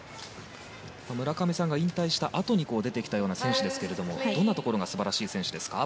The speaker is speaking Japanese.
村上さんが引退したあとに出てきた選手ですがどんなところが素晴らしい選手ですか？